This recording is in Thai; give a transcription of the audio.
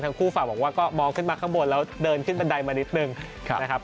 คู่ฝากบอกว่าก็มองขึ้นมาข้างบนแล้วเดินขึ้นบันไดมานิดนึงนะครับ